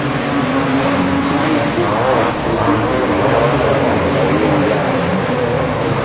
Hekme hul ƴo hi̧ nzukri nda tupal maŋlaw woyri ya.